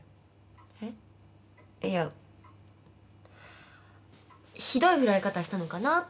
えっいやひどい振られ方したのかなって。